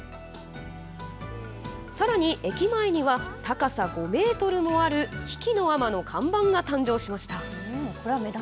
さらに駅前には高さ５メートルもある比企尼の看板が誕生しました。